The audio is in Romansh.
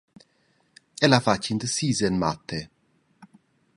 El ha fatg in da sis en mate.